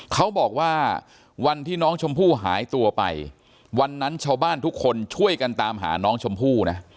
เขาบอกว่าวันที่น้องชมพู่หายตัวไปวันนั้นชาวบ้านทุกคนช่วยกันตามหาน้องชมพู่นะ